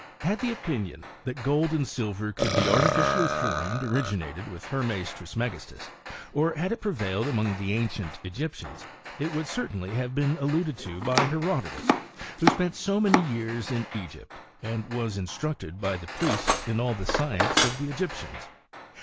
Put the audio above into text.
Had t&e opinion, that gold and silver could be aiw tificially formed originated with Hermes Trismegistui, or had it prevailed among the ancient Egyptians^ it would certainly have been alluded to by Herodotus, who spent so many years in Egypt, and was instructed by the priests in all the science of the Egyptians.